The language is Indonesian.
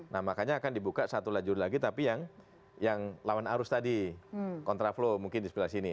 nah makanya akan dibuka satu lajur lagi tapi yang lawan arus tadi kontraflow mungkin di sebelah sini